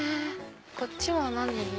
こっちは何？